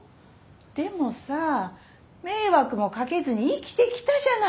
でもさ迷惑もかけずに生きてきたじゃないか。